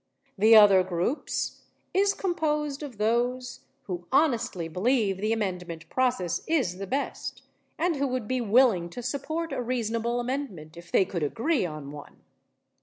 The other groups is composed of those who honestly believe the amendment process is the best and who would be willing to support a reasonable amendment if they could agree on one.